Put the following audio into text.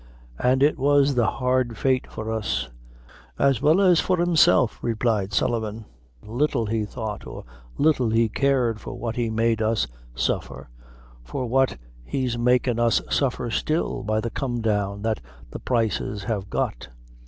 "An' it was the hard fate for us, as well as for himself," replied Sullivan, "little he thought, or little he cared, for what he made us suffer, an' for what he's makin' us suffer still, by the come down that the prices have got."